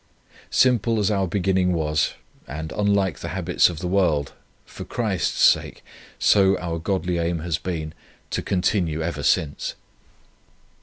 Simple as our beginning was, and unlike the habits of the world, for Christ's sake, so our Godly aim has been, to continue ever since.